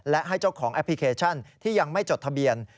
และให้เจ้าของแอปพลิเคชันที่ยังไม่จดทะเบียน